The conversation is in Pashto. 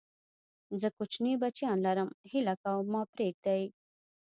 زه کوچني بچيان لرم، هيله کوم ما پرېږدئ!